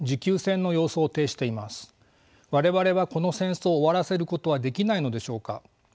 我々はこの戦争を終わらせることはできないのでしょうか。